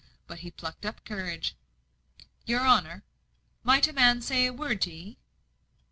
But he plucked up courage. "Your honour, might a man say a word to 'ee?"